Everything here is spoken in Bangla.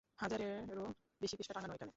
হাজারেও বেশি পৃষ্ঠা টাঙানো এখানে!